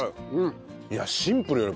いやシンプルよ。